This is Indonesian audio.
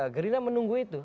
gerinda menunggu itu